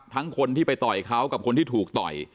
คนที่ไปต่อยเขากับคนที่ถูกต่อย